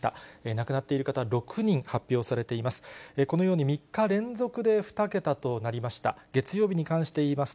亡くなっている方、６人発表されています。